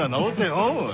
おい。